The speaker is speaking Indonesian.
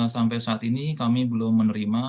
sampai saat ini kami belum menerima